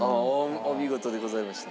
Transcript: お見事でございました。